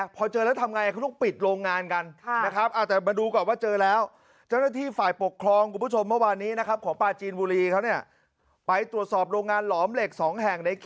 ไปดูเจอแล้วนะ